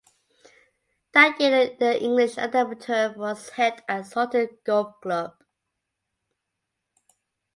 That year the English Amateur was held at Saunton Golf Club.